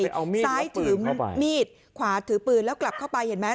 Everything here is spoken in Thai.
ไปเอามีดแล้วปืนเข้าไปซ้ายถือมีดขวาถือปืนแล้วกลับเข้าไปเห็นไหม